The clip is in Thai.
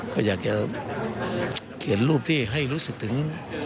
ก็อยากจะเขียนรูปที่ให้รู้สึกถึง